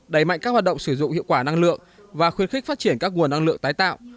đẩy mạnh các hoạt động sử dụng hiệu quả năng lượng và khuyến khích phát triển các nguồn năng lượng tái tạo